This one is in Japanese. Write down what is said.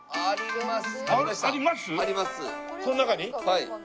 はい。